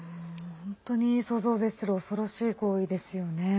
本当に想像を絶する恐ろしい行為ですよね。